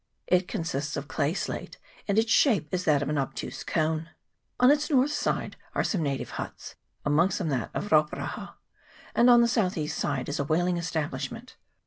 It con sists of clay slate, and its shape is that of an obtuse cone. On its north west side are some native huts ; amongst them that of Rauparaha : and on the south east side is a whaling establishment.